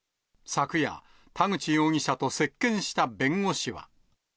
昨夜、田口容疑者と接見した弁護士は。